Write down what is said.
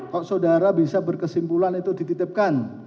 kok saudara bisa berkesimpulan itu dititipkan